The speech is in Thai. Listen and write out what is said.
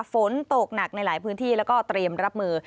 ฝนตกหนักในหลายพื้นที่แล้วก็เตรียมรับมือ